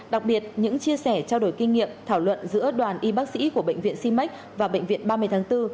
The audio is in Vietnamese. đặc biệt những chia sẻ trao đổi kinh nghiệm thảo luận giữa đoàn y bác sĩ của bệnh viện si mek và bệnh viện ba mươi tháng bốn